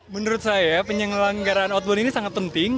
menurut saya penyelenggaraan outbound ini sangat penting